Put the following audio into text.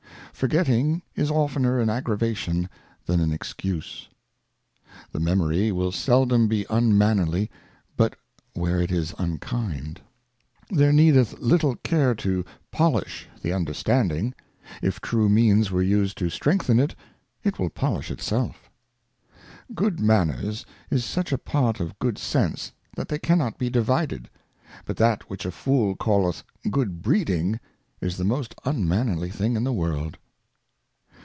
FORGETTING is oftner an Aggravation than an Excuse. Forgetfvl The Memory will seldom be unmannerly but where it is "" unkind. THERE needeth little Care to polish the Understanding ; Good if true Means were used to strengthen it, it will polish itself. manners. Good manners is such a Part of Good sense, that they cannot be divided ; but that which a Fool calleth Good breeding is the most unmannerly thing in the World.